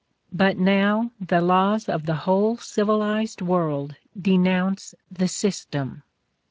But now the laws of the whole civilized world denounce the system.